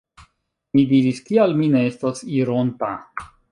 Mi diris; “Kial mi ne estas ironta? »